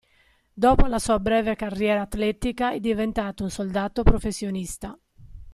Dopo la sua breve carriera atletica è diventato un soldato professionista.